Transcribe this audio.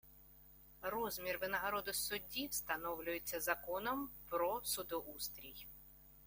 Розмір винагороди судді встановлюється законом про судоустрій.